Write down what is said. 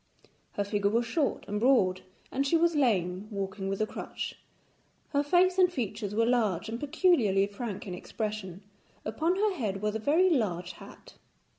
Her figure was short and broad, and she was lame, walking with a crutch. Her face and features were large and peculiarly frank in expression; upon her head was a very large hat.